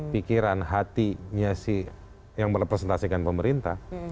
pikiran hatinya si yang merepresentasikan pemerintah